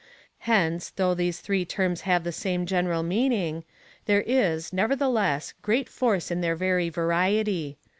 Hence, though these three terms have the same general meaning, there is, neverthe less, great force in their very variety.